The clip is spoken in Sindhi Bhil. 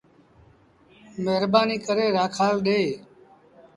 مهربآنيٚٚ ڪري رآکآل ڏي۔